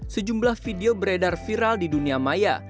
sejumlah video beredar viral di dunia maya